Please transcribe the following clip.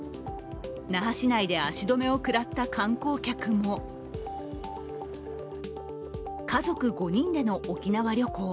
那覇市内で足止めを食らった観光客も家族５人での沖縄旅行。